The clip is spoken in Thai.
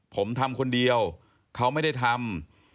ผมทำคนเดียวเขาไม่ได้ทำ